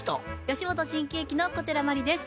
吉本新喜劇の小寺真理です。